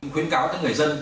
khuyến cáo cho người dân